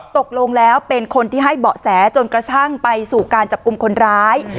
ตกลงแล้วเป็นคนที่ให้เบาะแสจนกระทั่งไปสู่การจับกลุ่มคนร้าย